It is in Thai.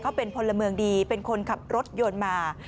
เขาเป็นพลเมืองดีเป็นคนขับรถยนต์มา